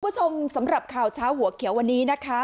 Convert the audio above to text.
คุณผู้ชมสำหรับข่าวเช้าหัวเขียววันนี้นะคะ